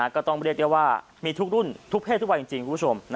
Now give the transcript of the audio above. ก็ต้องเรียกได้ว่ามีทุกรุ่นทุกเพศทุกวัยจริงคุณผู้ชม